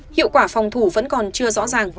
hiệu quả phòng thủ vẫn còn chưa rõ ràng